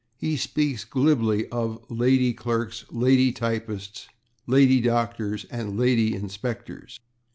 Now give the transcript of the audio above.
He speaks glibly of /lady clerks/, /lady typists/, /lady doctors/ and /lady inspectors